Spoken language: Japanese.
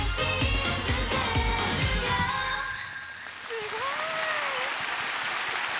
すごい。